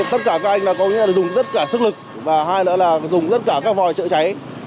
tất cả các anh có nghĩa là dùng tất cả sức lực và hai nữa là dùng tất cả các vòi chữa cháy